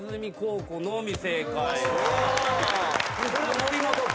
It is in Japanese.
森本君